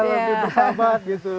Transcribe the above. lebih bersahabat gitu